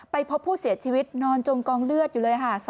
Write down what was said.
พบผู้เสียชีวิตนอนจมกองเลือดอยู่เลยค่ะ